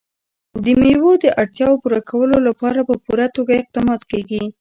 د مېوو د اړتیاوو پوره کولو لپاره په پوره توګه اقدامات کېږي.